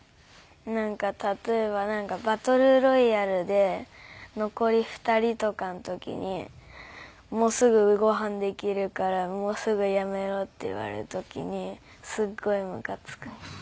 なんか例えばバトルロイヤルで残り２人とかの時に「もうすぐご飯できるからもうすぐやめろ」って言われる時にすっごいムカつく。